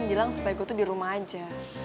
bilang supaya gue tuh dirumah aja